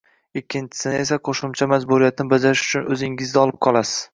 ikkinchisini esa qo‘shimcha majburiyatni bajarish uchun o‘zingizda olib qolasiz.